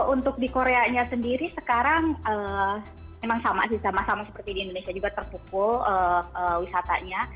untuk di korea nya sendiri sekarang memang sama sih sama sama seperti di indonesia juga terpukul wisatanya